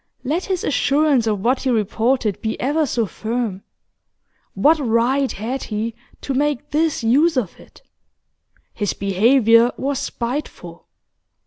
Let his assurance of what he reported be ever so firm, what right had he to make this use of it? His behaviour was spiteful.